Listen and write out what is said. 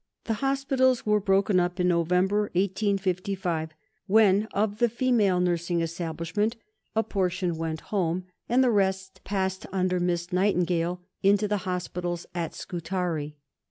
The hospitals were broken up in November 1855, when, of the female nursing establishment, a portion went home, and the rest passed under Miss Nightingale into the hospitals at Scutari.